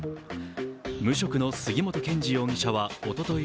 無職の杉本健治容疑者はおととい